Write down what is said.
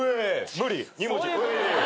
「無理」２文字。